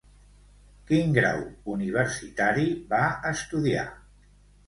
Quin grau universitari va estudiar?